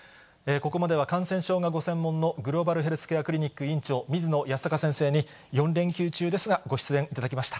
ここまでは感染症がご専門の、グローバルヘルスケアクリニック院長、水野泰孝先生に４連休中ですが、ご出演いただきました。